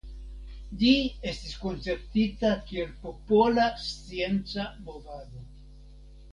Ĝi estis konceptita kiel popola scienca movado.